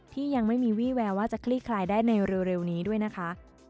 ยังไม่มีวี่แววว่าจะคลี่คลายได้ในเร็วนี้ด้วยนะคะ